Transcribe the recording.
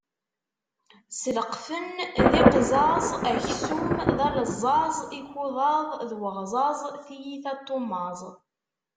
Sleqfen d iqzaẓ, aksum d aleẓẓaẓ, ikukaḍ d uɣẓaẓ, tiyita n tummaẓ.